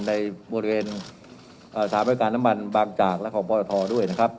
ในบริเวณสถานการณ์น้ำมันบางจากและของปรทด้วยนะครับ